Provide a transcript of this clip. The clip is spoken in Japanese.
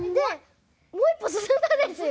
もう一歩進んだんですよ。